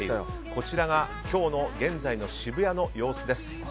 こちらが、今日の現在の渋谷の様子です。